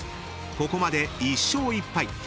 ［ここまで１勝１敗］